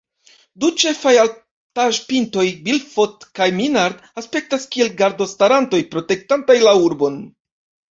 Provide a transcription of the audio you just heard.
Du ĉefaj altaĵpintoj Bilfot kaj Minard aspektas kiel gardostarantoj, protektantaj la urbon.